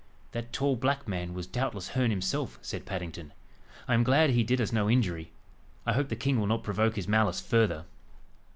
"That tall black man was doubtless Herne himself." said Paddington. "I am glad he did us no injury. I hope the king will not provoke his malice further."